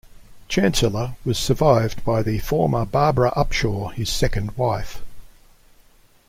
Chancellor was survived by the former Barbara Upshaw, his second wife.